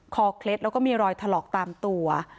เคล็ดแล้วก็มีรอยถลอกตามตัว